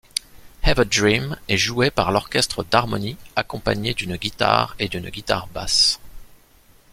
Ever Dream est jouée par l'orchestre d'harmonie accompagné d'une guitare et d'une guitare basse.